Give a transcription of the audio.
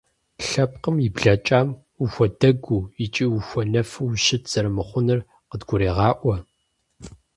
Лъэпкъым и блэкӀам ухуэдэгуу икӀи ухуэнэфу ущыт зэрымыхъунур къыдгурегъаӀуэ.